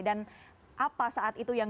apa saat itu yang